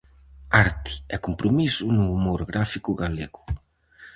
Arte e compromiso no humor gráfico galego.